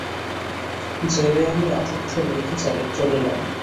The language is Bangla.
জেলে আমি আতিথ্য লইতে চলিলাম।